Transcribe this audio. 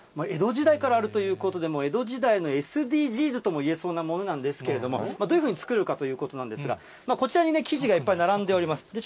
江戸時代からあるということで、江戸時代のＳＤＧｓともいえそうなものなんですけれども、どういうふうに作るかということなんですが、こちらに生地がいっぱい並んでおります。